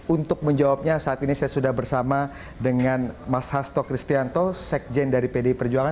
untuk menjawabnya saat ini saya sudah bersama dengan mas hasto kristianto sekjen dari pdi perjuangan